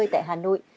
tại hà nội